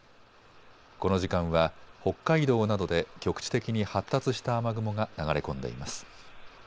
この時間は北海道などで局地的に発達した雨雲が流れ込んでいます。